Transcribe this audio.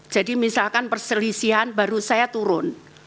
jadi misalkan perselisihan baru saya turun